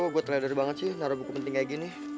gue terlalu dari banget sih taruh buku penting kayak gini